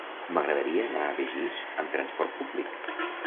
M'agradaria anar a Begís amb transport públic.